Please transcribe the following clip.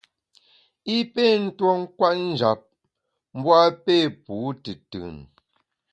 I pé tuo kwet njap, mbu a pé pu tùtùn.